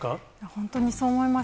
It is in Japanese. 本当にそう思います。